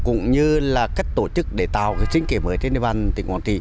cũng như là cách tổ chức để tạo sinh kế mới trên địa bàn tỉnh quảng trị